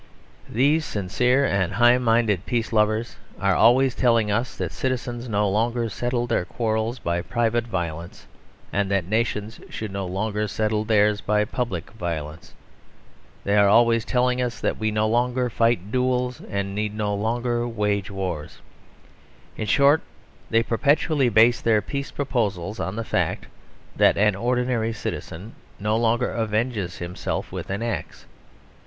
These sincere and high minded peace lovers are always telling us that citizens no longer settle their quarrels by private violence; and that nations should no longer settle theirs by public violence. They are always telling us that we no longer fight duels; and need no longer wage wars. In short, they perpetually base their peace proposals on the fact that an ordinary citizen no longer avenges himself with an axe.